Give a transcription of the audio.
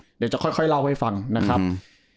เดี๋ยวจะค่อยเล่าให้ฟังนะครับ